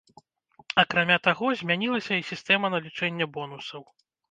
Акрамя таго, змянілася і сістэма налічэння бонусаў.